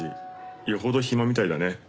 よほど暇みたいだね。